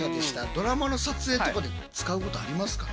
ドラマの撮影とかで使うことありますかね？